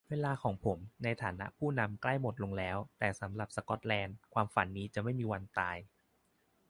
"เวลาของผมในฐานะผู้นำนั้นใกล้หมดลงแล้ว แต่สำหรับสกอตแลนด์ ความฝันนี้จะไม่มีวันตาย"